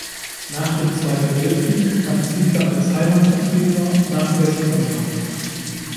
Nach dem Zweiten Weltkrieg kam Ziegler als Heimatvertriebener nach Westdeutschland.